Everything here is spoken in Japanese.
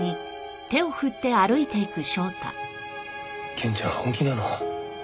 ケンちゃん本気なの？